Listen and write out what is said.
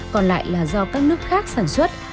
còn lại là do các nước khác sản xuất